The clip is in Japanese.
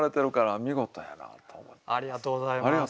ありがとうございます。